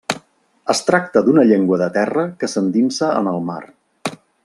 Es tracta d'una llengua de terra que s'endinsa en el mar.